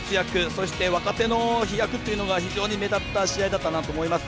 そして、若手の飛躍というのが非常に目立った試合だったなと思います。